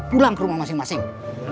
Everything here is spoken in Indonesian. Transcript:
pulang ke rumah masing masing